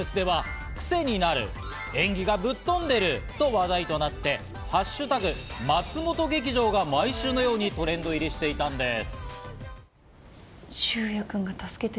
ＳＮＳではくせになる演技がぶっ飛んでると話題となって「＃松本劇場」が毎週のようにトレンド入りしたんです。